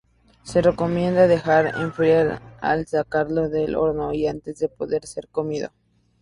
Se recomienda dejar enfriar al sacarlo del horno y antes de poder ser comido.